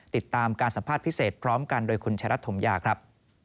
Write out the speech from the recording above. ติดตามการสัมภาษณ์พิเศษพร้อมกันโดยคุณชายรัฐถมยาครับ